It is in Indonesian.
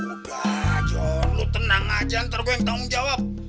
udah jon lu tenang aja ntar gue yang tanggung jawab